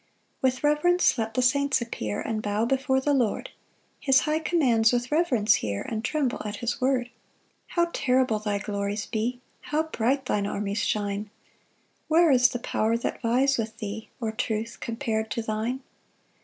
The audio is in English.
1 With reverence let the saints appear And bow before the Lord, His high commands with reverence hear, And tremble at his word. 2 How terrible thy glories be! How bright thine armies shine! Where is the power that vies with thee? Or truth compar'd to thine?